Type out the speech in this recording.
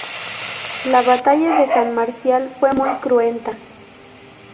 La batalla de San Marcial fue muy cruenta.